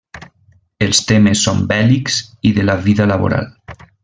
Els temes són bèl·lics i de la vida laboral.